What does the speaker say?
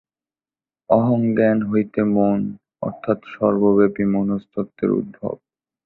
অহংজ্ঞান হইতে মন অর্থাৎ সর্বব্যাপী মনস্তত্ত্বের উদ্ভব।